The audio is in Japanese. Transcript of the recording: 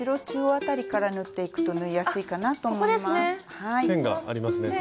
中央あたりから縫っていくと縫いやすいかなと思います。